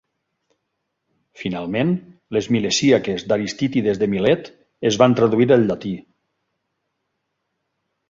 Finalment, les "Milesíaques" d'Aristitides de Milet es van traduir al llatí.